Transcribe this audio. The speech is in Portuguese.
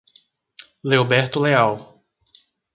Leoberto Leal